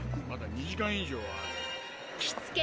まだ２時間以上ある。